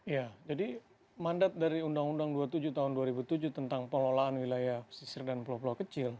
ya jadi mandat dari undang undang dua puluh tujuh tahun dua ribu tujuh tentang pengelolaan wilayah pesisir dan pulau pulau kecil